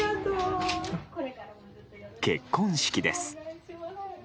結婚式です。